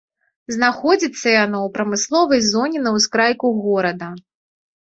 Знаходзіцца яно ў прамысловай зоне на ўскрайку горада.